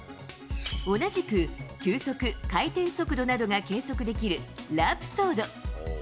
同じく球速、回転速度などが計測できるラプソード。